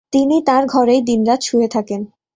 তিনি তাঁর ঘরেই দিনরাত শুয়ে থাকেন।